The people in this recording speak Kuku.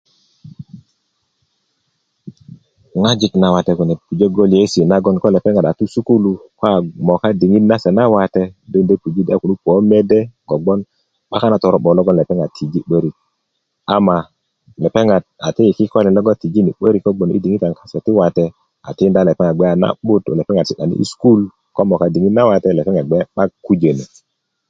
ŋojik nawate kune pujö goliyesi nagon ko lepeŋat a tu sukulu ko a moka diŋit nase na wate do pujö di a kunu puö mede kobgoŋ 'bakan na toro'bo loŋ kara tijini 'börik ama lepeŋat a tiki kikölin logon ko tijini 'börik ko bgoŋ diŋitan kase ti wate a tindi se bge na'but i sukulu ko moka diŋit nase na wate a lepeŋat bge 'ba kujon